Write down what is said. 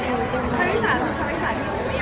เรียกพี่มันจะปลูกหรือเปล่า